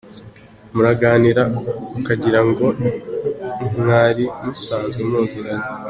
Muraganira ukagira ngo mwari musanzwe muziranye.